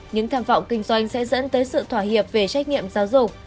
những tham vọng kinh doanh sẽ dẫn tới sự thỏa hiệp về trách nhiệm giáo dục